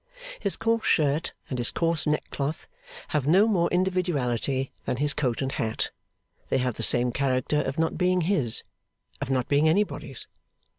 His coarse shirt and his coarse neckcloth have no more individuality than his coat and hat; they have the same character of not being his of not being anybody's.